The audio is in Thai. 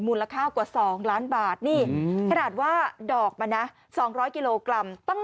มูลค่ากว่า๒ล้านบาทนี่ขนาดว่าดอกมานะ๒๐๐กิโลกรัม